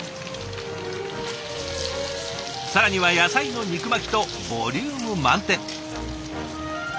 更には野菜の肉巻きとボリューム満点。